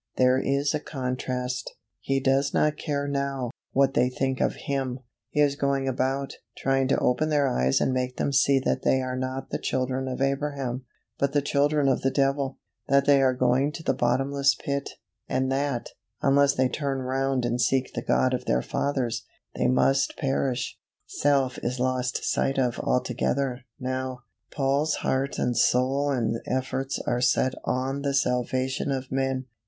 There is a contrast. He does not care now, what they think of HIM; he is going about, trying to open their eyes and make them see that they are not the children of Abraham, but the children of the devil, that they are going to the bottomless pit, and that, unless they turn round and seek the God of their fathers, they must perish. Self is lost sight of altogether, now; Paul's heart and soul and efforts are set on the salvation of men.